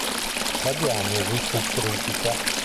La diagnosi fu critica.